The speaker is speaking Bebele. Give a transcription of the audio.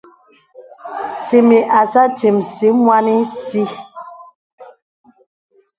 Cìmì à acìmsì mwānī sì.